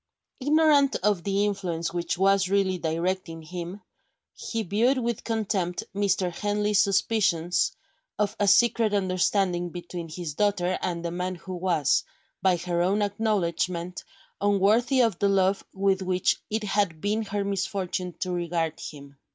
Ignorant of the influence which was really directing him, he viewed with contempt Mr. Henley's suspicions of a secret understanding between his daughter and the man who was, by her own acknowledgment, unworthy of the love with which it had been her misfortune to regard him.